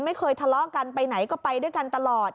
ไม่เคยทะเลาะกันไปไหนก็ไปด้วยกันตลอด